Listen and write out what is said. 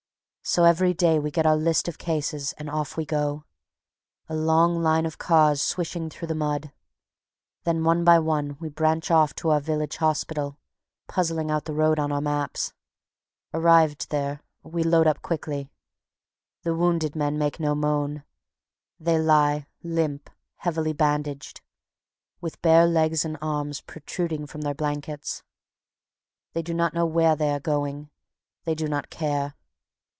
So every day we get our list of cases and off we go, a long line of cars swishing through the mud. Then one by one we branch off to our village hospital, puzzling out the road on our maps. Arrived there, we load up quickly. The wounded make no moan. They lie, limp, heavily bandaged, with bare legs and arms protruding from their blankets. They do not know where they are going; they do not care.